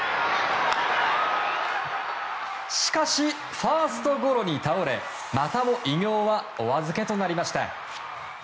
しかし、ファーストゴロに倒れまたも偉業はお預けとなりました。